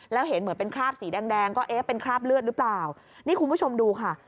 แล้วเห็นเหมือนเป็นคราบสีแดงแดงก็เอ๊ะเป็นคราบเลือดหรือเปล่านี่คุณผู้ชมดูค่ะ